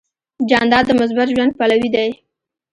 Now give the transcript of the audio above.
جانداد د مثبت ژوند پلوی دی.